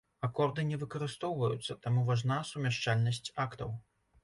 Акорды не выкарыстоўваюцца, таму важна сумяшчальнасць актаў.